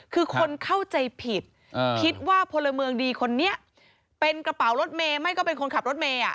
คือคนเข้าใจผิดคิดว่าพลเมืองดีคนนี้เป็นกระเป๋ารถเมย์ไม่ก็เป็นคนขับรถเมย์